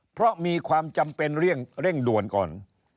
เพราะมีความจำเป็นเร่งด่วนก่อน